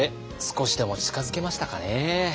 少しでも近づけましたかね。